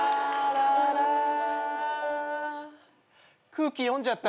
空気読んじゃった。